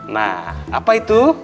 nah apa itu